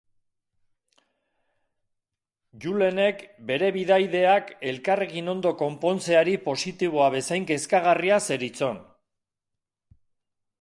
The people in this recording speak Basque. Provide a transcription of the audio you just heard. Julenek bere bidaideak elkarrekin ondo konpontzeari positiboa bezain kezkagarria zeritzon.